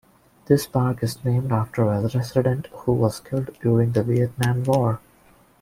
This park is named after a resident who was killed during the Vietnam War.